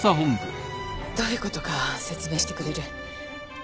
どういうことか説明してくれる？